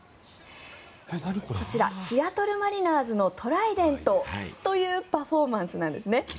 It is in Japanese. こちら、シアトル・マリナーズのトライデントというパフォーマンスなんですね。